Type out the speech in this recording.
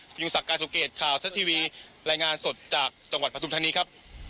พระยุงศักดิ์การสมเกตคลาวสตร์ทีวีรายงานสดจากจังหวัดสุพรรณบุรีทางนี้ครับ